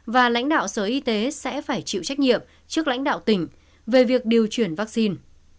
và lãnh đạo sở y tế sẽ phải chịu trách nhiệm trước lãnh đạo tỉnh về việc điều chuyển vaccine